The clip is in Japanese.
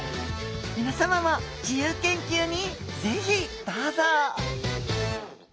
皆さまも自由研究に是非どうぞ！